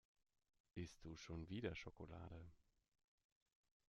Isst du schon wieder Schokolade?